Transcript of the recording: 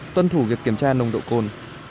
tuân thủ việc kiểm tra nồng độ cồn